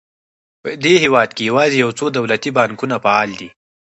په دې هېواد کې یوازې یو څو دولتي بانکونه فعال دي.